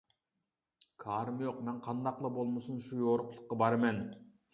-كارىم يوق. مەن قانداقلا بولمىسۇن شۇ يورۇقلۇققا بارىمەن.